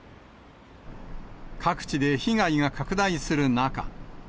各地で被害が拡大する中。